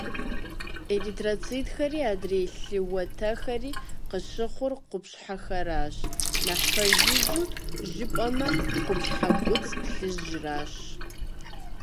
Эритроцитхэри адрей лъы уэтэхэри къыщыхъур къупщхьэхэращ. Нэхъ пэжыжу жыпӏэмэ, къупщхьэ куцӏ плъыжьращ.